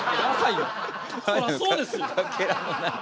そらそうですよ。